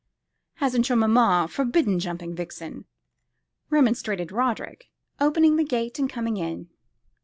"Hasn't your mamma forbidden jumping, Vixen?" remonstrated Roderick, opening the gate and coming in.